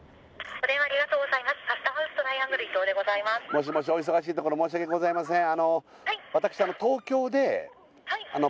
もしもしお忙しいところ申し訳ございません